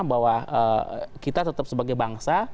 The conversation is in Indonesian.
bahwa kita tetap sebagai bangsa